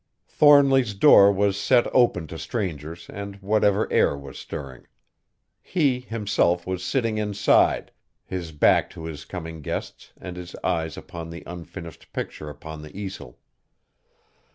Thornly's door was set open to strangers and whatever air was stirring. He, himself, was sitting inside, his back to his coming guests and his eyes upon the unfinished picture upon the easel.